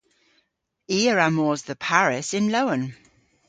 I a wra mos dhe Paris yn lowen!